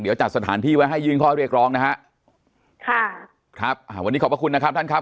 เดี๋ยวจัดสถานที่ไว้ให้ยื่นข้อเรียกร้องนะฮะค่ะครับอ่าวันนี้ขอบพระคุณนะครับท่านครับ